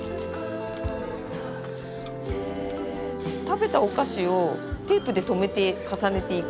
食べたお菓子をテープで留めて重ねていくっていう。